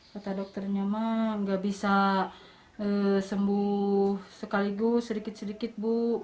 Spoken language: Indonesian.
kata dokternya enggak bisa sembuh sekaligus sedikit sedikit bu